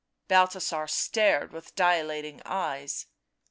Balthasar stared with dilating eyes.